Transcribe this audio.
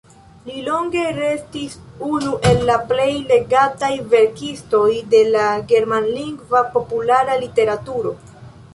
Li longe restis unu el la plej legataj verkistoj de la germanlingva populara literaturo.